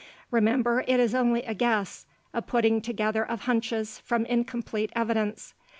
Remember, it is only a guess a putting together of hunches from incomplete evidence.